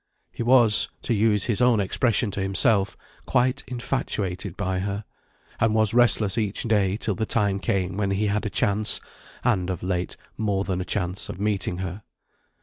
He was, to use his own expression to himself, quite infatuated by her, and was restless each day till the time came when he had a chance, and, of late, more than a chance of meeting her.